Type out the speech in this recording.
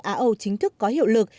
á âu chính thức có hiệu lực